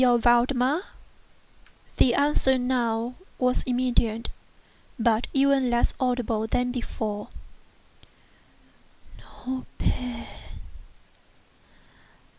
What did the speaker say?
Valdemar?" The answer now was immediate, but even less audible than before: "No pain—I am dying."